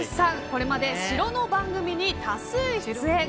これまで城の番組に多数出演。